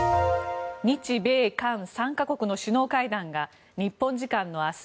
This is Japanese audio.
日米韓３か国の首脳会談が日本時間の明日